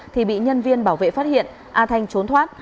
thì bị nhân viên bảo vệ phát hiện a thanh trốn thoát